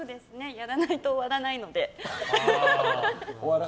やらないと終わらないので。